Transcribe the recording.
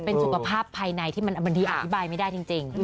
เป็นสุขภาพภายในที่บางทีอธิบายไม่ได้จริง